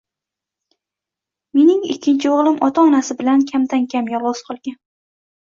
Mening ikkinchi o‘g‘lim ota-onasi bilan kamdan-kam yolg‘iz qolgan.